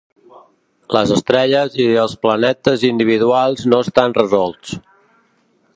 Les estrelles i els planetes individuals no estan resolts.